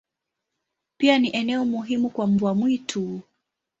Pia ni eneo muhimu kwa mbwa mwitu.